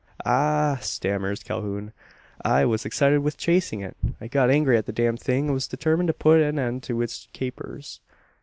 "Ah!" stammers Calhoun, "I was excited with chasing it. I'd got angry at the damned thing, and was determined to put an end to its capers."